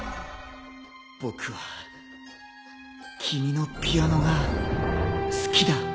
僕は君のピアノが好きだ。